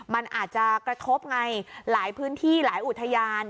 มันอาจจะกระทบไงหลายพื้นที่หลายอุทยาน